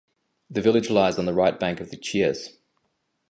The village lies on the right bank of the Chiers.